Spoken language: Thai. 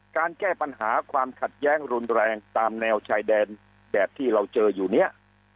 แก้ปัญหาความขัดแย้งรุนแรงตามแนวชายแดนแบบที่เราเจออยู่เนี่ย